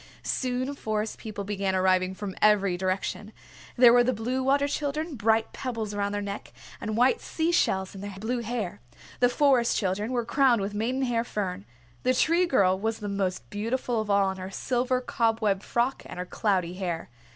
Soon Forest People began arriving from every direction. There were the Blue Water Children, bright pebbles around their necks, and white sea shells in their blue hair. The Forest Children were crowned with maidenhair fern. The Tree Girl was the most beautiful of all in her silver cobweb frock and her cloudy hair.